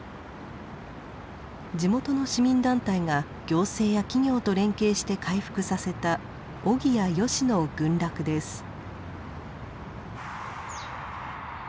地元の市民団体が行政や企業と連携して回復させたオギやヨシの群落です。